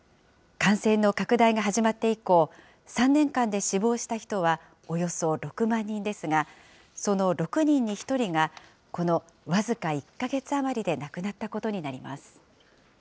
感染の拡大が始まって以降、３年間で死亡した人はおよそ６万人ですが、その６人に１人が、この僅か１か月余りで亡くなったことになります。